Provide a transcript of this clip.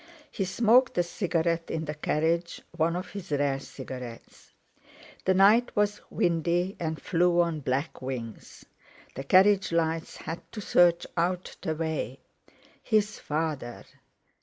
He smoked a cigarette in the carriage—one of his rare cigarettes. The night was windy and flew on black wings; the carriage lights had to search out the way. His father!